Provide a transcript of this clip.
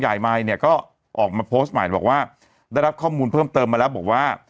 ไมค์เนี่ยก็ออกมาโพสต์ใหม่บอกว่าได้รับข้อมูลเพิ่มเติมมาแล้วบอกว่า